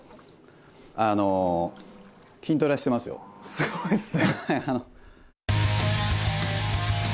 すごいっすね。